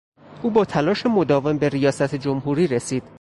او با تلاش مداوم به ریاست جمهوری رسید.